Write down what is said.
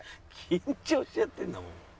緊張しちゃってるんだもん。